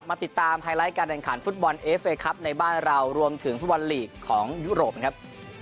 ติดตามไฮไลท์การแข่งขันฟุตบอลเอฟเอครับในบ้านเรารวมถึงฟุตบอลลีกของยุโรปนะครับ